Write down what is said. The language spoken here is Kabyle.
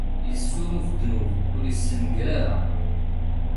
Issuruf ddnub, ur issenger ara.